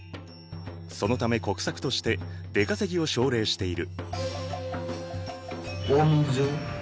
そのため国策として出稼ぎを奨励している。